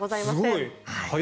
すごい！